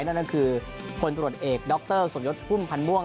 นั่นก็คือคนตรวจเอกด็อกเตอร์ส่วนยดพุ่มพันม่วง